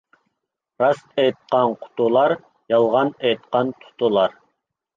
راست ئېيتقان قۇتۇلار، يالغان ئېيتقان تۇتۇلار.